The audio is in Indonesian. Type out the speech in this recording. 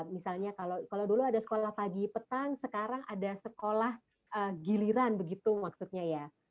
misalnya kalau dulu ada sekolah pagi petang sekarang ada sekolah giliran begitu maksudnya ya